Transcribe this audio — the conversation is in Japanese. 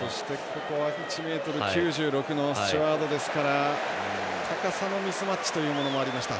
１ｍ９６ｃｍのスチュワードですから高さのミスマッチというものもありました。